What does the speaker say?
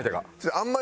あんまり。